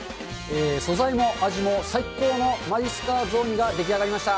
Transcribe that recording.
素材も味も最高のマイスター雑煮が出来上がりました。